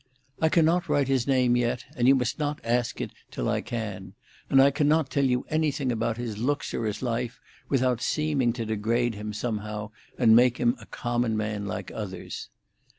"I cannot write his name yet, and you must not ask it till I can; and I cannot tell you anything about his looks or his life without seeming to degrade him, somehow, and make him a common man like others.